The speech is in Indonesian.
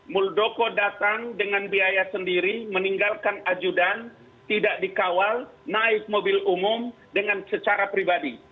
muldoko datang dengan biaya sendiri meninggalkan ajudan tidak dikawal naik mobil umum dengan secara pribadi